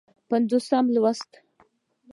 پينځوسم لوست